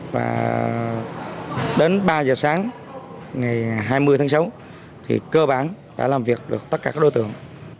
và đến ba giờ sáng ngày hai mươi tháng sáu thì cơ bản đã làm việc được tất cả các đối tượng